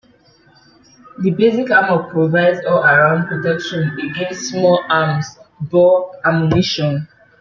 The basic armour provides all-around protection against small arms ball ammunition.